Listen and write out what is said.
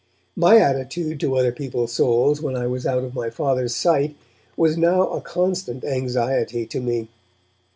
My attitude to other people's souls when I was out of my Father's sight was now a constant anxiety to me.